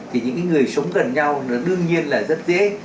thì những người sống gần nhau nó đương nhiên là rất dễ